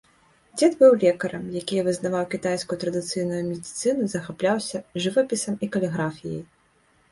Дзед быў лекарам, якія вызнаваў кітайскую традыцыйную медыцыну, захапляўся жывапісам і каліграфіяй.